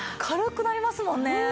軽くなりますもんね。